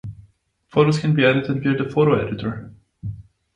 Photos can be edited via the photo editor.